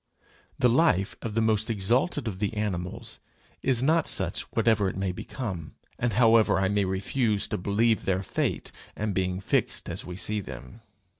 The life of the most exalted of the animals is not such whatever it may become, and however I may refuse to believe their fate and being fixed as we see them.